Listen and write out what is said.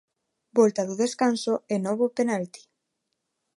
Volta do descanso e novo penalti.